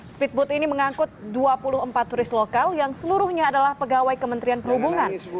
speedboat ini mengangkut dua puluh empat turis lokal yang seluruhnya adalah pegawai kementerian perhubungan